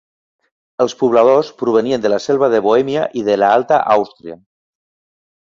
Els pobladors provenien de la selva de Bohèmia i de l'alta Àustria.